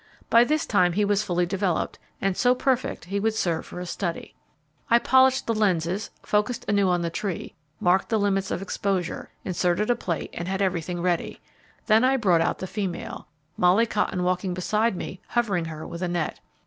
By this time he was fully developed, and so perfect he would serve for a study. I polished the lenses, focused anew on the tree, marked the limits of exposure, inserted a plate, and had everything ready. Then I brought out the female, Molly Cotton walking beside me hovering her with a net.